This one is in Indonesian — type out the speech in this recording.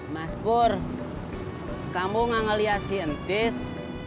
mas pur kamu gak ngeliat si entis